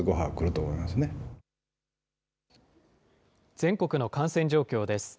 全国の感染状況です。